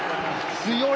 強い！